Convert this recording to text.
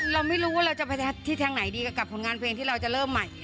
เราไม่รู้ว่าเราจะไปที่ที่ทางไหนดีกับผลงานเพลงที่เราจะเริ่มใหม่อะไรอย่างนี้